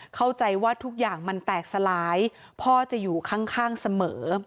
เข้าใจว่าทุกอย่างมันแตกสลายพ่อจะอยู่ข้างเสมอ